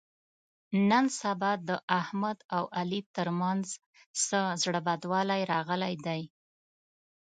نن سبا د احمد او علي تر منځ څه زړه بدوالی راغلی دی.